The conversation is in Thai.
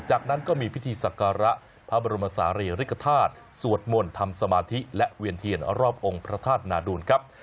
จากนั้นก็มีพิธีสักการะพระบรมศาลีริกฐาตุสวดมนต์ทำสมาธิและเวียนเทียนรอบองค์พระธาตุนาดูลครับ